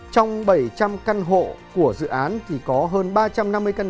trong bảy trăm linh căn hộ của dự án có hơn ba trăm năm mươi căn nhà